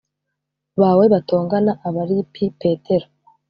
bawe batongana Aba lipi Petero